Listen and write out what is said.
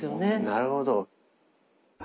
なるほど。